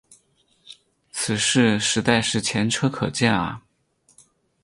此事实在是前车可鉴啊。